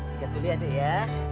dikit dulu ya nek ya